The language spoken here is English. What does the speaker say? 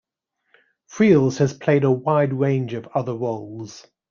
Friels has played a wide range of other roles.